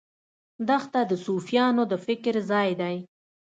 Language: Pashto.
دښته د صوفیانو د فکر ځای دی.